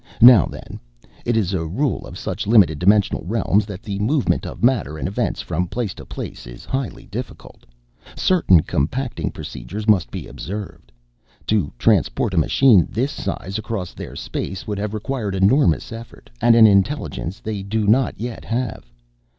Now then, it is a rule of such limited dimensional realms that the movement of matter and events from place to place is highly difficult. Certain compacting procedures must be observed. To transport a machine this size across their space would have required enormous effort and an intelligence they do not yet have.